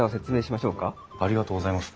ありがとうございます。